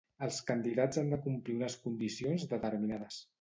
Els candidats han de complir unes condicions determinades.